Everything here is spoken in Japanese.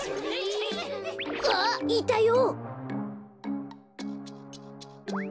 あっいたよ！